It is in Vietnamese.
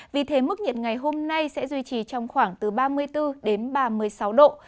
vì thế mức nhiệt ngày hôm nay sẽ duy trì trong khoảng từ ba mươi bốn đến ba mươi sáu độ